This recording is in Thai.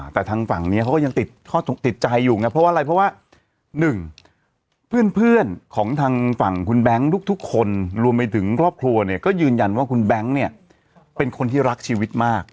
แต่ทางฝั่งนี้เขาก็ยังติดใจอยู่ไงเพราะว่าอะไรเพราะว่าหนึ่งเพื่อนของทางฝั่งคุณแบงค์ทุกคนรวมไปถึงครอบครัวเนี่ยก็ยืนยันว่าคุณแบงค์เนี่ยเป็นคนที่รักชีวิตมาก